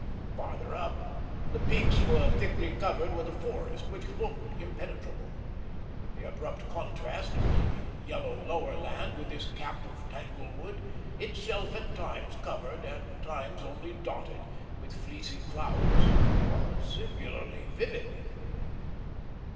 Farther up, the peaks were thickly covered with a forest, which looked impenetrable. The abrupt contrast of the yellow lower land with this cap of tanglewood, itself at times covered, at times only dotted, with fleecy clouds, was singularly vivid.